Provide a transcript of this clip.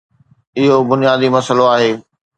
اهو بنيادي مسئلو آهي